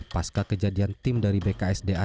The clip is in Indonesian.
pasca kejadian tim dari bksda